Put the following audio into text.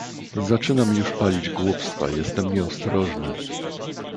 "Zaczynam już palić głupstwa, jestem nieostrożny..."